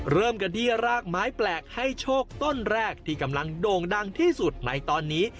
เริ่มกันที่รากไม้แปลกให้โชคต้นแรกที่กำลังโด่งดังที่สุดในตอนนี้